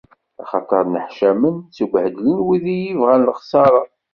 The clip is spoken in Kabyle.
Axaṭer nneḥcamen, ttubhedlen, wid i iyi-ibɣan lexṣara.